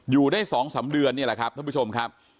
อยู่ได้๒๓เดือนนี่แหละครับท่านผู้ชมครับ